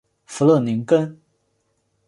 弗勒宁根。